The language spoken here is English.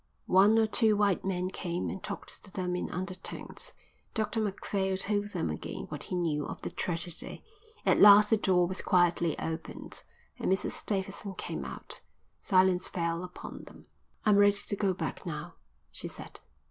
One or two white men came and talked to them in undertones. Dr Macphail told them again what he knew of the tragedy. At last the door was quietly opened and Mrs Davidson came out. Silence fell upon them. "I'm ready to go back now," she said.